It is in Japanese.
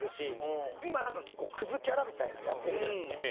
今なんか結構クズキャラみたいなやってるじゃないですか。